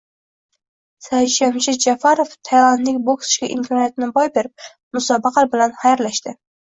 Saidjamshid Ja’farov tailandlik bokschiga imkoniyatni boy berib, musobaqa bilan xayrlashdi